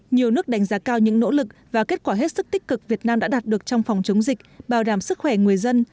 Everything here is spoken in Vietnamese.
nhiều nước đánh giá cao những nỗ lực và kết quả hết sức tích cực việt nam đã đạt được trong phòng chống dịch bảo đảm sức khỏe người dân